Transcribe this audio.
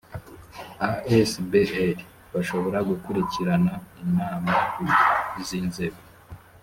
asbl bashobora gukulikirana inama z’inzego